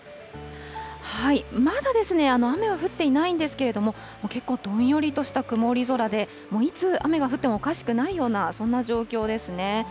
まだですね、雨は降っていないんですけれども、結構、どんよりとした曇り空で、いつ雨が降ってもおかしくないような、そんな状況ですね。